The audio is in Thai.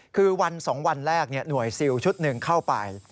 คือวัน๒วันแรกหน่วยซิลชุดหนึ่งเข้าไป